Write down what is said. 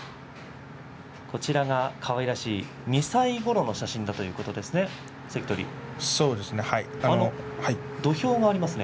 かわいらしい２歳ごろの写真だということですね？